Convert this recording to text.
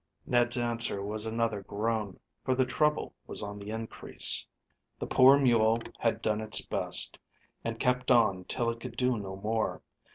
Ned's answer was another groan, for the trouble was on the increase. The poor mule had done its best and kept on till it could do no more.